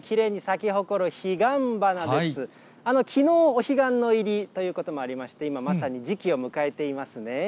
きのう、お彼岸の入りということもありまして、今まさに時期を迎えていますね。